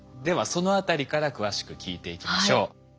ではそのあたりから詳しく聞いていきましょう。